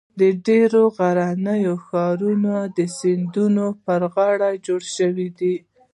ډېری لرغوني ښارونه د سیندونو پر غاړو جوړ شوي دي.